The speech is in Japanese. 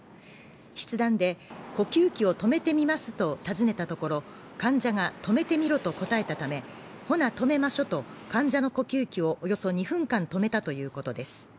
筆談で呼吸器を止めてみますと、尋ねたところ、患者が止めてみろと答えたため、ほな止めましょと患者の呼吸器をおよそ２分間止めたということです。